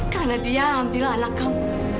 karena dia ambil anak kamu